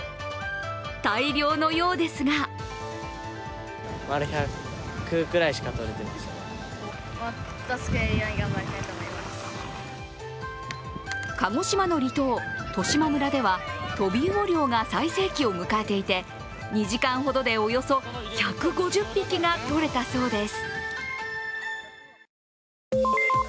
大漁のようですが鹿児島の離島、十島村では飛び魚漁が最盛期を迎えていて２時間ほどで、およそ１５０匹がとれたそうです。